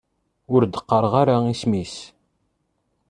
Ur d-qqareɣ ara isem-is.